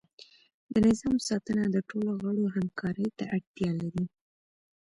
د نظام ساتنه د ټولو غړو همکاری ته اړتیا لري.